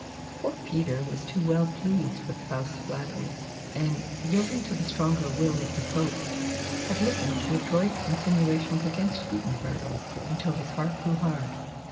Poor Peter was too well pleased with Faust's flatteries, and, yielding to the stronger will of his host, had listened to adroit insinuations against Gutenberg until his heart grew hard.